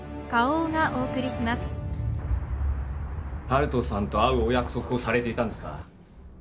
温人さんと会うお約束をされていたんですか？